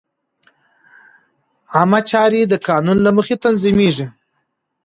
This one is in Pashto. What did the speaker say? عامه چارې د قانون له مخې تنظیمېږي.